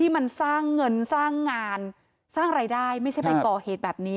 มันสร้างเงินสร้างงานสร้างรายได้ไม่ใช่ไปก่อเหตุแบบนี้